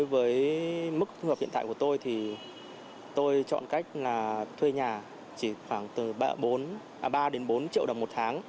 đối với mức hợp hiện tại của tôi thì tôi chọn cách là thuê nhà chỉ khoảng từ ba đến bốn triệu đồng một tháng